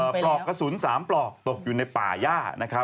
ปลอกกระสุน๓ปลอกตกอยู่ในป่าย่า